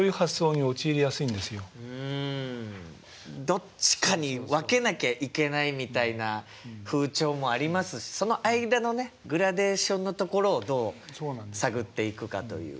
どっちかに分けなきゃいけないみたいな風潮もありますしその間のねグラデーションのところをどう探っていくかという。